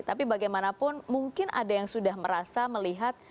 tapi bagaimanapun mungkin ada yang sudah merasa melihat